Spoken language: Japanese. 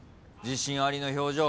自信ありの表情。